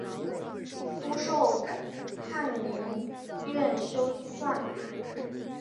初授翰林院修撰。